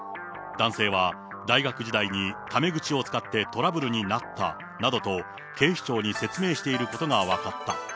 男性は大学時代に、タメ口を使ってトラブルになったなどと、警視庁に説明していることが分かった。